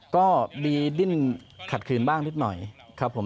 ก็มีดิ้นขัดขืนบ้างนิดหน่อยครับผม